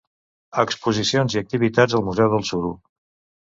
Exposicions i activitats al Museu del Suro.